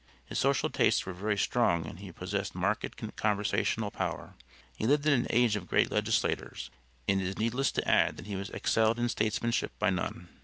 His social tastes were very strong and he possessed marked conversational power. He lived in an age of great legislators and it is needless to add that he was excelled in statesmanship by none.